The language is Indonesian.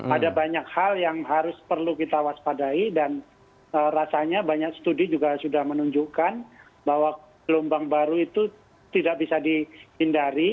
ada banyak hal yang harus perlu kita waspadai dan rasanya banyak studi juga sudah menunjukkan bahwa gelombang baru itu tidak bisa dihindari